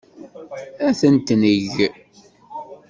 Ad t-neg.